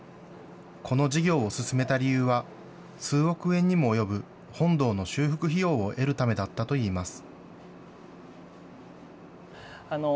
この事業を進めた理由は、数億円にも及ぶ本堂の修復費用を得るためだったといいます。